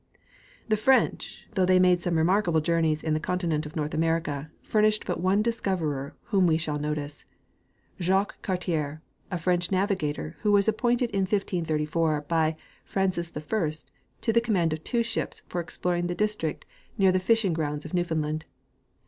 '' The French, though they made some remarkable journeys in the continent of North America, furnished but one discoverer whom we shall notice, Jacques Cartier, a French navigator, who was appointed in 1534 by Francis I to the command of two ships for exploring the district near the fishing grounds of Newfound land.